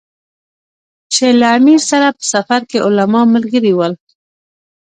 چې له امیر سره په سفر کې علما ملګري ول.